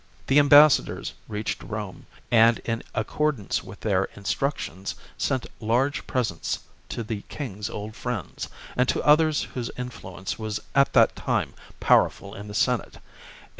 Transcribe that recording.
The ambassadors reached Rome, and, in accordance with their instructions, sent large pre sents to the king's old friends, and to others whose influence was at that time powerful in the Senate, and XIV.